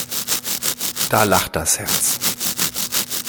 Da lacht das Herz.